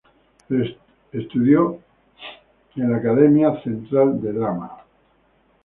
Estudió en el "Central Academy of Drama".